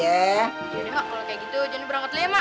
yaudah mak kalau kayak gitu jalan berangkat dulu ya mak